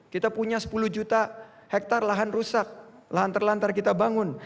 kita punya sepuluh juta hektar lahan rusak lantar lantar kita bangun